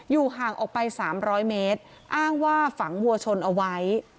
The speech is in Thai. อยู่ห่างออกไปสามร้อยเมตรอ้างว่าฝังหัวชนเอาไว้